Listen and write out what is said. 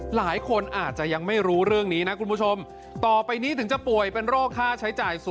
หลายคนอาจจะยังไม่รู้เรื่องนี้นะคุณผู้ชมต่อไปนี้ถึงจะป่วยเป็นโรคค่าใช้จ่ายสูง